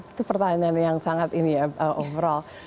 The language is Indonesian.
itu pertanyaan yang sangat ini ya overall